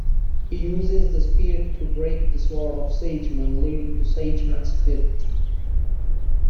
He uses the spear to break the sword of Siegmund, leading to Siegmund's death.